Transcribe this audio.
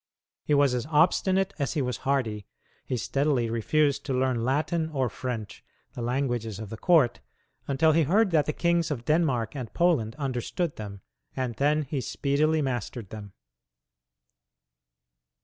He was as obstinate as he was hardy; he steadily refused to learn Latin or French the languages of the court until he heard that the kings of Denmark and Poland understood them, and then he speedily mastered them.